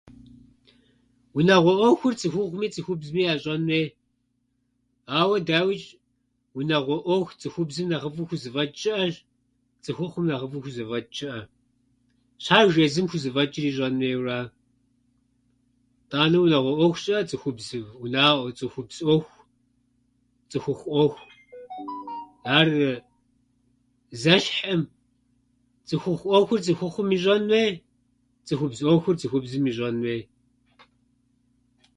Унагъуэ ӏуэхур цӏыхухъми цӏыхубзми ящӏэн хуей. Ауэ, дауичӏ, унагъуэ ӏуэху цӏыхубзым нэхъыфӏу хузэфӏэчӏ щыӏэщ, цӏыхухъум нэхъыфӏу хузэфӏэчӏ щыӏэщ. Щхьэж езым хузэфӏэчӏыр ищӏэн хуейуэ ара. Итӏанэ унагъуэ ӏуэху щыӏэ цӏыхубзу- унагъуэ- цӏыхубз ӏуэху, цӏыхухъу ӏуэху. Ар зэщхьӏым. Цӏыхухъу ӏуэхур цӏыхухъум ищӏэн хуей, цӏыхубз ӏуэхур цӏыхубзым ищӏэн хуей.